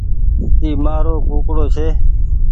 اي مآرو ڪوڪڙو ڇي۔